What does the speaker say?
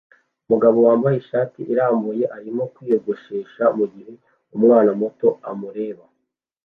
Umugabo wambaye ishati irambuye arimo kwiyogoshesha mugihe umwana muto amureba